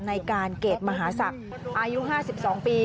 ในการเกรดมหาศักดิ์อายุ๕๒ปี